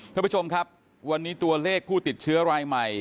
ท่านผู้ชมครับวันนี้ตัวเลขผู้ติดเชื้อรายใหม่